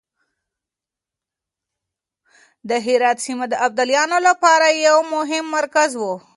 د هرات سيمه د ابدالیانو لپاره يو مهم مرکز و.